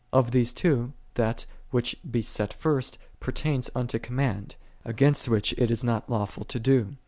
"5 Of these two, that, which he set first, pertains unto command, against which it is not lawful to do.